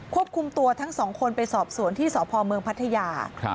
ควบคุมตัวทั้งสองคนไปสอบสวนที่สพเมืองพัทยา